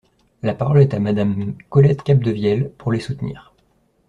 La parole est à Madame Colette Capdevielle, pour les soutenir.